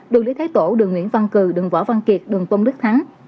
đường lý thái tổ đường nguyễn văn cử đường võ văn kiệt đường tôn đức thắng